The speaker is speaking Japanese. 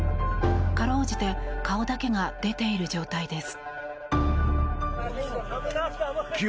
かろうじて顔だけが出ている状態です。